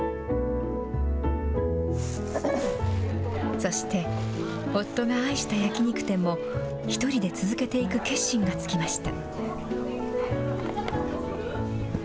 そして、夫が愛した焼き肉店も、１人で続けていく決心がつきました。